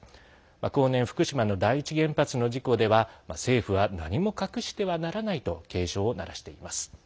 後年、福島の第一原発の事故では政府は何も隠してはならないと警鐘を鳴らしています。